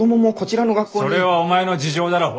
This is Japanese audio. それはお前の事情だろう？